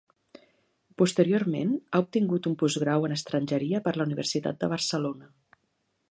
Posteriorment ha obtingut un postgrau en estrangeria per la Universitat de Barcelona.